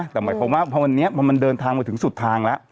แต่หมายความว่าพอวันนี้พอมันเดินทางมาถึงสุดทางแล้ว